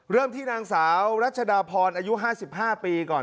เริ่มที่นางสาวรัชดาพรอายุ๕๕ปีก่อน